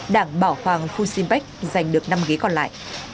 đảng bảo hoàng phu sinpec giành được năm ghế còn lại